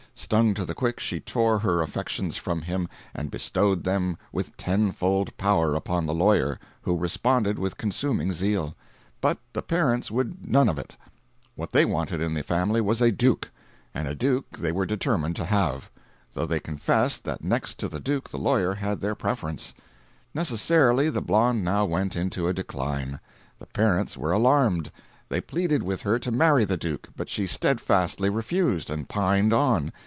Stung to the quick, she tore her affections from him and bestowed them with tenfold power upon the lawyer, who responded with consuming zeal. But the parents would none of it. What they wanted in the family was a Duke; and a Duke they were determined to have; though they confessed that next to the Duke the lawyer had their preference. Necessarily the blonde now went into a decline. The parents were alarmed. They pleaded with her to marry the Duke, but she steadfastly refused, and pined on.